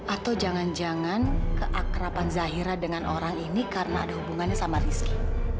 atau jangan jangan keakrapan zahira dengan orang ini karena ada hubungannya sama rizki